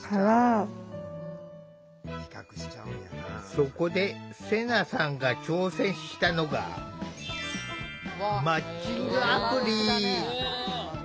そこでセナさんが挑戦したのがマッチングアプリ。